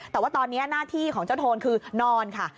แต่ว่าตอนนี้หน้าที่ของเจ้าโทนคือนอนค่ะ